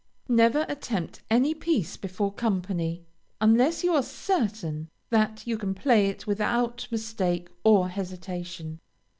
Never attempt any piece before company, unless you are certain that you can play it without mistake or hesitation.